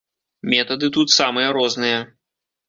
Метады тут самыя розныя.